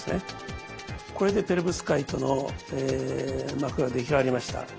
これでペロブスカイトの膜が出来上がりました。